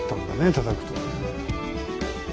たたくとね。